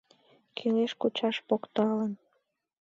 Кӱлеш кучаш покталын